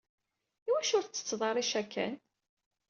Iwacu ur tettetteḍ ara icakan?